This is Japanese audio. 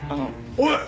おい！